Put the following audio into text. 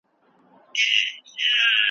د غمونو ورا یې راغله د ښادیو جنازې دي